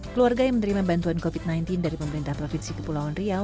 keluarga yang menerima bantuan covid sembilan belas dari pemerintah provinsi kepulauan riau